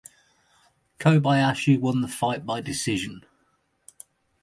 Kobayashi won the fight by decision.